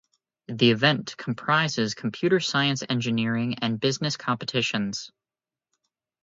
The event comprises computer science, engineering and business competitions.